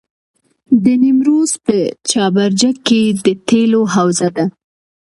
د نیمروز په چاربرجک کې د تیلو حوزه ده.